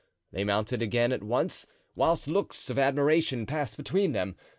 They mounted again at once, whilst looks of admiration passed between them.